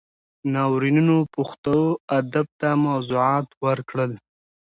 ناورینونو پښتو ادب ته موضوعات ورکړل.